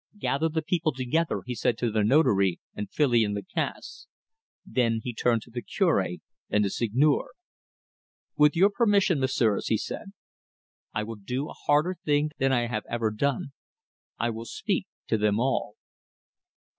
"Gather the people together," he said to the Notary and Filion Lacasse. Then he turned to the Cure and the Seigneur. "With your permission, messieurs," he said, "I will do a harder thing than I have ever done. I will speak to them all."